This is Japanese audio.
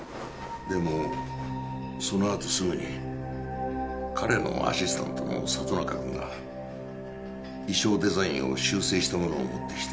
でもそのあとすぐに彼のアシスタントの里中くんが衣装デザインを修正したものを持ってきて。